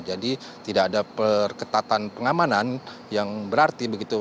jadi tidak ada perketatan pengamanan yang berarti begitu